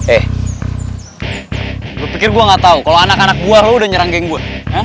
eh gue pikir gue gak tau kalau anak anak buah lo udah nyerang geng gue